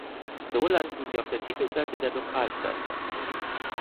So landen sie auf der Titelseite der Lokalzeitung.